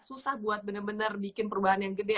susah buat bener bener bikin perubahan yang gede